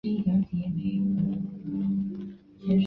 此列表延伸至友好城市列表法国。